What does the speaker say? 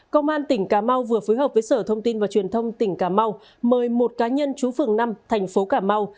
công an tỉnh cà mau vừa phối hợp với sở thông tin và truyền thông tỉnh cà mau mời một cá nhân trú phường năm thành phố cà mau